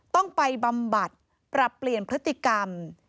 ต้องไปบำบัดปรับเปลี่ยนพฤติกรรม